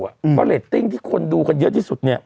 เพราะเรตติ้งที่คนดูกันเยอะที่สุดเนี่ย